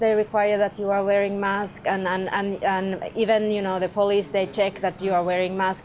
saya pikir itu bagus bahwa semua kedai membutuhkan anda memakai masker dan bahkan polis mereka juga menguji bahwa anda memakai masker